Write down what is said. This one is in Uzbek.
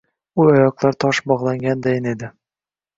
U oyoqlari tosh bog‘lagandayin edi.